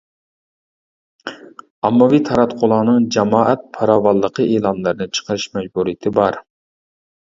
ئاممىۋى تاراتقۇلارنىڭ جامائەت پاراۋانلىقى ئېلانلىرىنى چىقىرىش مەجبۇرىيىتى بار.